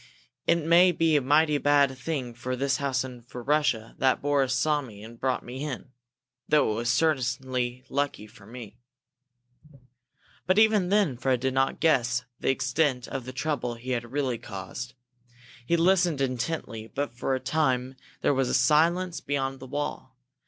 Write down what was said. It may be a mighty bad thing for this house and for Russia that Boris saw me and brought me in, though it was certainly lucky for me!" But even then Fred did not guess the extent of the trouble he had really caused. He listened intently, but for a time there was silence beyond the wall.